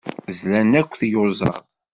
Zlan akk tiyuẓaḍ.